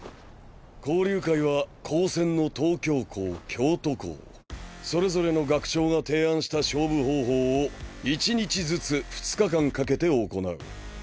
交流会は高専の東京校京都校それぞれの学長が提案した勝負方法を１日ずつ２日間かけて行う。